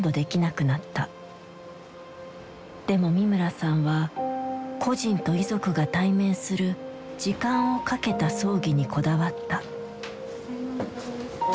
でも三村さんは故人と遺族が対面する時間をかけた葬儀にこだわった。